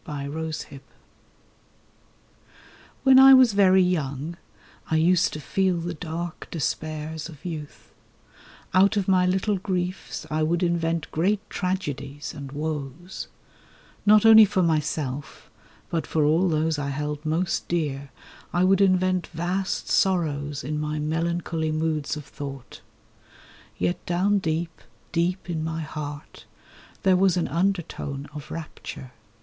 THE UNDERTONE WHEN I was very young I used to feel the dark despairs of youth; Out of my little griefs I would invent great tragedies and woes; Not only for myself, but for all those I held most dear I would invent vast sorrows in my melancholy moods of thought. Yet down deep, deep in my heart there was an undertone of rapture.